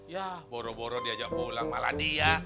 ya boro boro diajak pulang malah dia